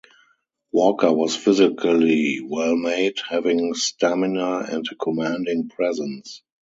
Walker was physically well made, having stamina and a commanding presence.